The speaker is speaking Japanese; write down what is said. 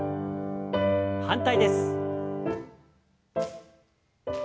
反対です。